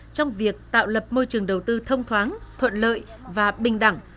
trong việc tạo lập môi trường đầu tư thông thoáng thuận lợi và bình đẳng